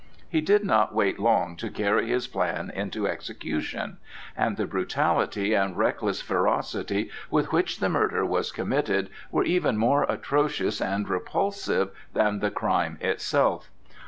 He did not wait long to carry his plan into execution; and the brutality and reckless ferocity with which the murder was committed were even more atrocious and repulsive than the crime itself.